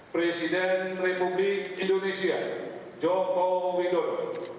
presiden republik indonesia joko widodo